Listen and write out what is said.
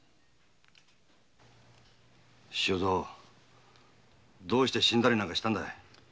周蔵どうして死んだりなんかしたんだい。